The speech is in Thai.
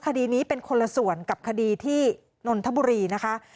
คดีนี้เป็นคนละส่วนกับคดีที่นนทบุรีนะคะ